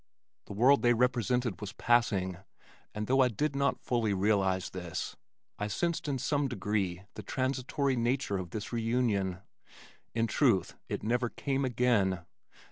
The world they represented was passing and though I did not fully realize this, I sensed in some degree the transitory nature of this reunion. In truth it never came again.